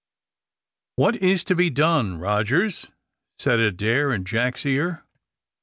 "What is to be done, Rogers?" said Adair in Jack's ear.